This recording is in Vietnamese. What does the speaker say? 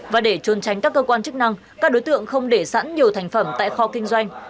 và để trôn tránh các cơ quan chức năng các đối tượng không để sẵn nhiều thành phẩm tại kho kinh doanh